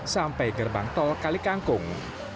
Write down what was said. sampai gerbang tol kalikangkung